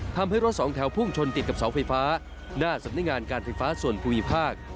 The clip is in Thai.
ทำให้รถสองแถวพุ่งชนติดกับเสาไฟฟ้าหน้าสำนักงานการไฟฟ้าส่วนภูมิภาค